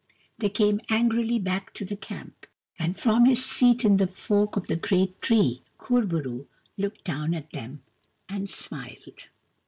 They came angrily back to the camp, and from his seat in the fork of the great tree Kur bo roo looked down at them and smiled.